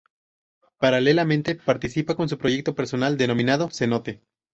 Paralelamente, participa en su proyecto personal denominado "Cenote".